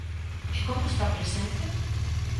¿E como está presente?